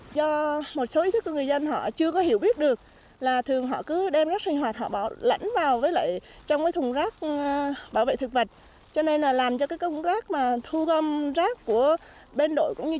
cho nên là làm cho cái công rác mà thu gom rác của bên đội cũng như chúng em là gặp rất nhiều là khó khăn